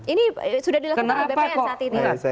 ini sudah dilakukan oleh bp saat ini ya